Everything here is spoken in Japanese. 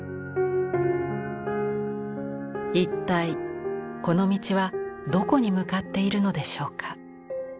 一体この道はどこに向かっているのでしょうか。